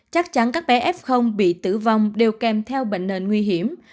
chắc chắn các bé f bị tử vong đều kèm theo bệnh nền nguy hiểm